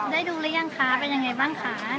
ได้ดูหรือยังคะเป็นยังไงบ้างคะ